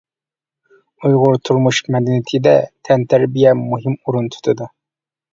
ئۇيغۇر تۇرمۇش مەدەنىيىتىدە تەنتەربىيە مۇھىم ئۇرۇن تۇتىدۇ.